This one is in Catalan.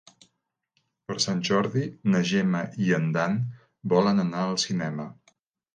Per Sant Jordi na Gemma i en Dan volen anar al cinema.